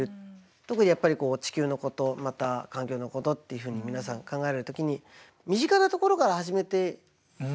特にやっぱりこう地球のことまた環境のことっていうふうに皆さん考える時に身近なところから始めていけたらと。